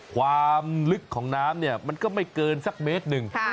ความลึกของน้ำเนี่ยมันก็ไม่เกินสักเมตรหนึ่ง